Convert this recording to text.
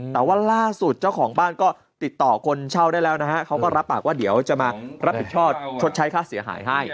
แต่ว่าล่าสุดเจ้าของบ้านก็ติดต่อคนเช่าได้แล้วนะฮะเขาก็รับปากว่าเดี๋ยวจะมารับผิดชอบชดใช้ค่าเสียหายให้